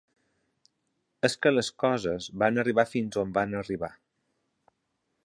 És que les coses van arribar fins on van arribar.